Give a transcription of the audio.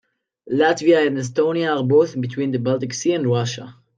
Latvia and Estonia are both between the Baltic Sea and Russia.